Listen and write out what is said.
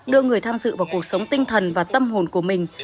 đưa người tham dự vào cuộc sống tinh thần và tâm hồn của mình